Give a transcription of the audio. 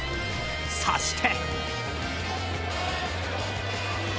そして。